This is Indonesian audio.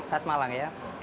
khas malang ya